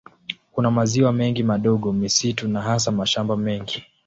Kuna maziwa mengi madogo, misitu na hasa mashamba mengi.